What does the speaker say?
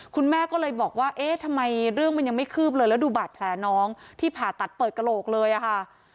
คุณแม่ก็เลยบอกว่าเอ๊ะทำไมเรื่องมันยังไม่คืบเลยแล้วดูบาดแผลน้องที่ผ่าตัดเปิดกระโหลกเลยอะค่ะ